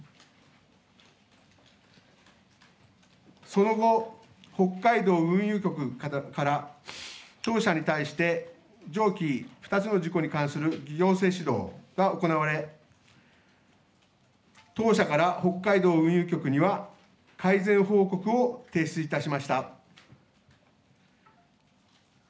その後、北海道運輸局から当社に対して上記２つの事故に関する行政指導が行われ当社から北海道運輸局には改善報告を提出いたしました。